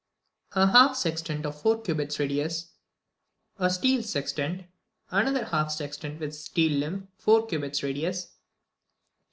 10. A half sextant, of four cubits radius. 11. A steel sextant. 12. Another half sextant, with steel limb, four cubits radius.